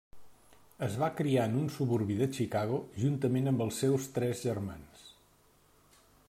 Es va criar en un suburbi de Chicago, juntament amb els seus tres germans.